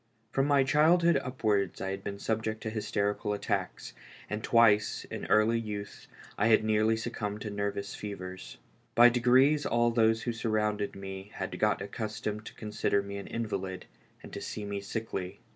From my childhood upwards I had been subject to hys terical attacks, and twice, in early youth, I had nearly succumbed to nervous fevers. By degrees all those who surrounded me had got accustomed to consider me an invalid, and to see me sickly.